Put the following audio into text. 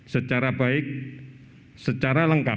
secara baik secara lengkap